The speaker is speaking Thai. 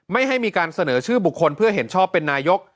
ไม่ให้มีการเสนอชื่อบุคคลเพื่อเห็นชอบเป็นนายก